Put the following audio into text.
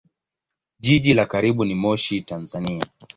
Jiji la karibu ni Moshi, Tanzania.